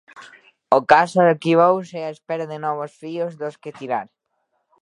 O caso arquivouse á espera de novos fíos dos que tirar.